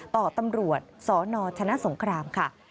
ต่อตำรวจสนชนะสงครามค่ะ